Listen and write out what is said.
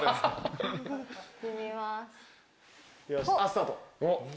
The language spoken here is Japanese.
スタート。